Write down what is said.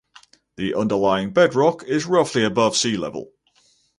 The underlying bedrock is roughly above sea level.